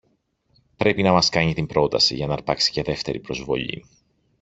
Πρέπει να μας κάνει την πρόταση, για ν' αρπάξει και δεύτερη προσβολή!